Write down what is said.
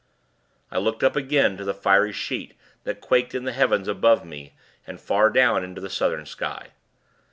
I looked up again, to the fiery sheet that quaked in the heavens above me and far down into the Southern sky.